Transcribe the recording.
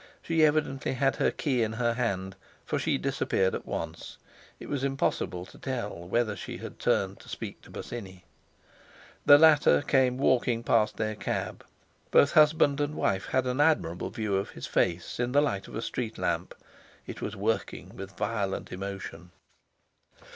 She evidently had her key in her hand, for she disappeared at once. It was impossible to tell whether she had turned to speak to Bosinney. The latter came walking past their cab; both husband and wife had an admirable view of his face in the light of a street lamp. It was working with violent emotion.